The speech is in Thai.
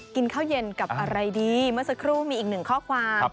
กินข้าวเย็นกับอะไรดีเมื่อสักครู่มีอีกหนึ่งข้อความ